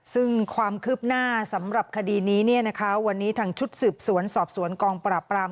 ซึ่งความคืบหน้าสำหรับคดีนี้เนี่ยนะคะวันนี้ทางชุดสืบสวนสอบสวนกองปราบราม